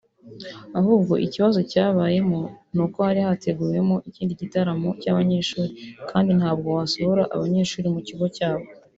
Ahubwo ikibazo cyabayemo ni uko hari hateguwemo ikindi gitaramo cy’abanyeshuri kandi ntabwo wasohora abanyeshuri mu kigo cyabo